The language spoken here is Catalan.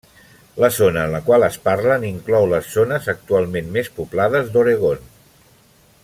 La zona en la qual es parlen inclou les zones actualment més poblades d'Oregon.